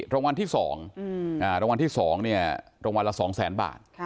รางวัลที่สองอืมอ่ารางวัลที่สองเนี้ยรางวัลละสองแสนบาทค่ะ